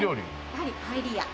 やはりパエリア！